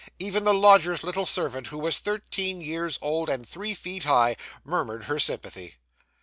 Even the lodger's little servant, who was thirteen years old and three feet high, murmured her sympathy.